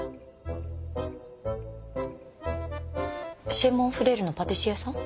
「シェ・モン・フレール」のパティシエさん？